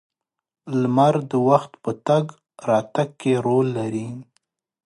• لمر د وخت په تګ راتګ کې رول لري.